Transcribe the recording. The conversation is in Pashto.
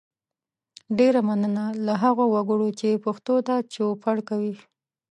ډیره مننه له هغو وګړو چې پښتو ته چوپړ کوي